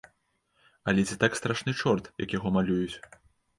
Але ці так страшны чорт, як яго малююць?